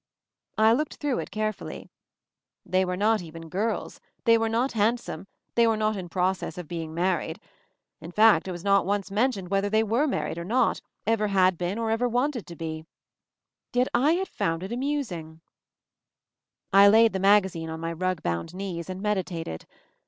I looked through it carefully. They were not even girls, they were not handsome, they were not in process of being married — in fact, it was not once mentioned whether they were married or not, ever had been or ever wanted to be. Yet I had found it amusing ! I laid the magazine on my rug bound knees and meditated.